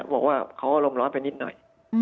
บอกว่าเขาอารมณ์ร้อนไปนิดหน่อย